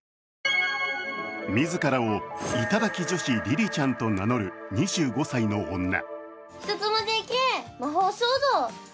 自らを頂き女子・りりちゃんと名乗る２５歳の女。